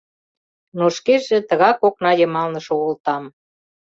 Но шкеже тыгак окна йымалне шогылтам.